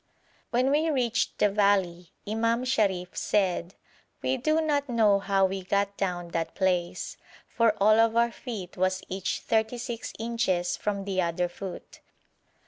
When we reached the valley Imam Sharif said: 'We do not know how we got down that place, for all of our feet was each 36 inches from the other foot.'